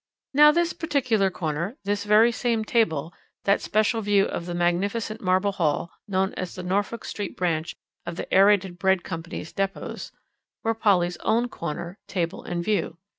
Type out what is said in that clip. Now this particular corner, this very same table, that special view of the magnificent marble hall known as the Norfolk Street branch of the Aërated Bread Company's depôts were Polly's own corner, table, and view.